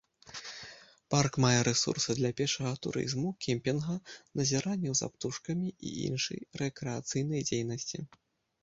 Парк мае рэсурсы для пешага турызму, кемпінга, назіранняў за птушкамі і іншай рэкрэацыйнай дзейнасці.